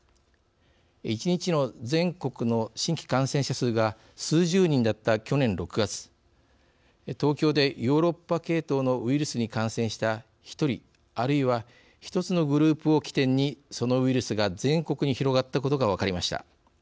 １日の全国の新規感染者数が数十人だった去年６月東京でヨーロッパ系統のウイルスに感染した１人あるいは１つのグループを起点にそのウイルスが全国に広がったことが分かりました。